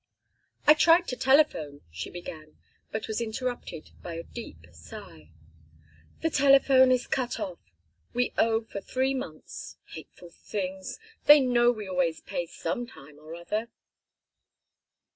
"I tried to telephone," she began, but was interrupted by a deep sigh. "The telephone is cut off we owe for three months. Hateful things! they know we always pay some time or other."